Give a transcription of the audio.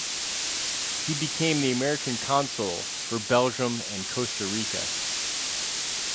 He became the American Consul for Belgium and Costa Rica.